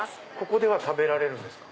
ここでは食べられるんですか？